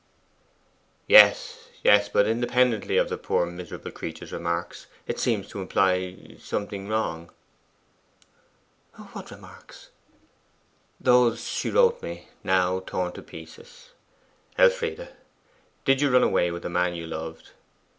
'Yes, yes; but independently of the poor miserable creature's remarks, it seems to imply something wrong.' 'What remarks?' 'Those she wrote me now torn to pieces. Elfride, DID you run away with a man you loved?